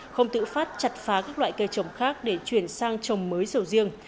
không tự phát chặt phá các loại cây trồng khác để chuyển sang trồng mới sầu riêng